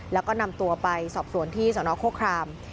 แล้วก็นำตัวไปสอบสวนที่สนโคคราม